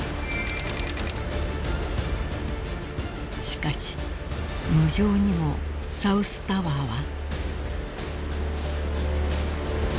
［しかし無情にもサウスタワーは］